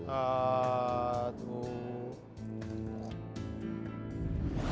อ่าถูก